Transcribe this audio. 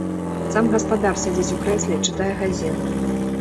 Сам гаспадар сядзіць у крэсле, чытае газету.